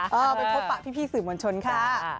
ไปพบปะพี่สื่อมวลชนค่ะ